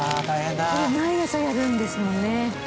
これ毎朝やるんですもんね。